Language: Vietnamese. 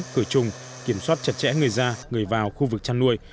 cửa chung kiểm soát chặt chẽ người ra người vào khu vực chăn nuôi